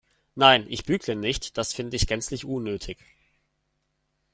Nein, ich bügle nicht, das finde ich gänzlich unnötig.